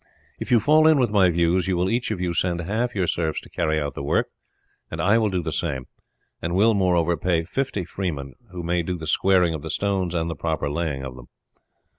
If you fall in with my views you will each of you send half your serfs to carry out the work, and I will do the same, and will, moreover, pay fifty freemen who may do the squaring of the stones and the proper laying of them."